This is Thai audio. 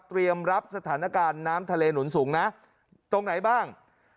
รับสถานการณ์น้ำทะเลหนุนสูงนะตรงไหนบ้าง